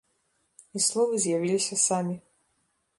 І словы з'явіліся самі.